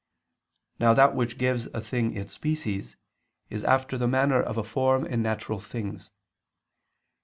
Now that which gives a thing its species, is after the manner of a form in natural things.